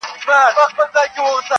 چي ستا گېډي او بچیو ته په کار وي-